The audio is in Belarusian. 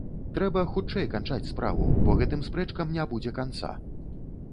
Трэба хутчэй канчаць справу, бо гэтым спрэчкам не будзе канца.